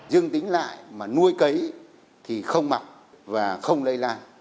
dương tính lại mà nuôi cấy thì không mặc và không lây lan